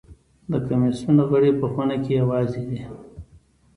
د کمېسیون غړي په خونه کې یوازې دي.